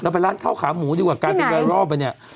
ไปร้านข้าวขาหมูดีกว่ากลายเป็นไวรอลไปเนี่ย